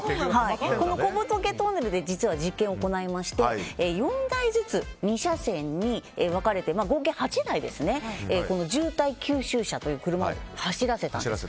その小仏トンネルで実は実験を行いまして４台ずつ２車線に分かれて合計８台、渋滞吸収車という車を走らせたんです。